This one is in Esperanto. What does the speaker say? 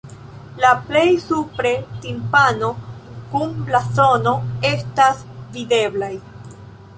La plej supre timpano kun blazono estas videblaj.